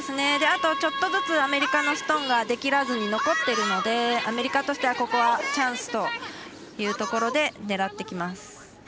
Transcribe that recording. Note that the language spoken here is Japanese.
あと、ちょっとずつアメリカのストーンが出きらずに残っているのでアメリカとしてはチャンスということで狙ってきます。